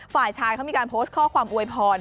ฝ่ายชายเขามีการโพสต์ข้อความอวยพร